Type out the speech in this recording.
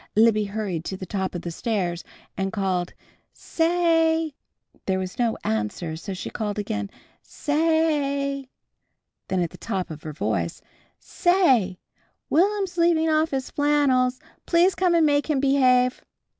Libby hurried to the top of the stairs and called: "Sa ay!" There was no answer, so she called again, "Sa ay!" Then at the top of her voice, "Say! Will'm's leaving off his flannels. Please come and make him behave!"